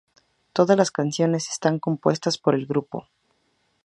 Todas las canciones están compuestas por el grupo.